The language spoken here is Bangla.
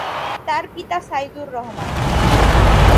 তার পিতা সাইদুর রহমান।